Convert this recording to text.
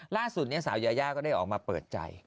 นะฮะสุดเนี่ยสาวยายาก็ได้ออกมาเปิดใจ